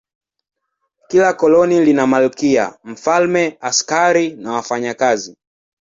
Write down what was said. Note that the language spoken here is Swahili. Kila koloni lina malkia, mfalme, askari na wafanyakazi.